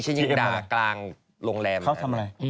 เจมส์ยังด่ากลางโรงแรม